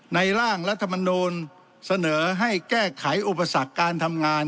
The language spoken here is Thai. ร่างรัฐมนูลเสนอให้แก้ไขอุปสรรคการทำงาน